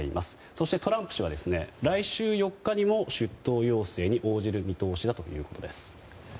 そしてトランプ氏は来週４日にも出頭要請に応じる見通しだということです。